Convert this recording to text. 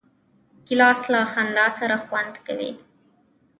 ګیلاس له خندا سره خوند کوي.